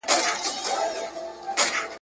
په دغه مبارک دين کي د هر چا عزت خوندي دی.